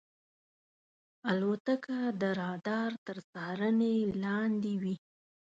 الوتکه د رادار تر څارنې لاندې وي.